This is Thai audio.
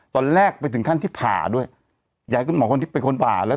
ตอนแรกไปถึงขั้นที่ผ่าด้วยยังคุณหมอพรทิพย์เป็นคนผ่าแล้ว